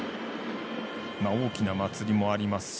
大きな祭りもありますし